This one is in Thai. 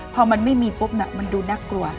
พอมันไม่มีปุ๊บมันดูน่ากลัว